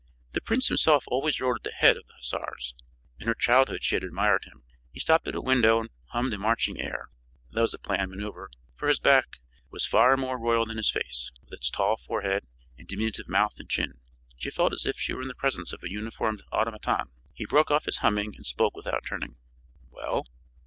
The prince himself always rode at the head of the hussars; in her childhood she had admired him. He stopped at a window and hummed a marching air. That was a planned maneuver, for his back was far more royal than his face, with its tall forehead and diminutive mouth and chin. She felt as if she were in the presence of a uniformed automaton. He broke off his humming and spoke without turning. "Well?"